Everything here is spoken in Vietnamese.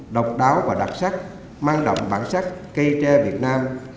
độc đáo và đặc sắc mang đậm bản sắc cây tre việt nam